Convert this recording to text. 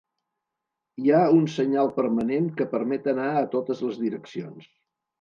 Hi ha un senyal permanent que permet anar a totes les direccions.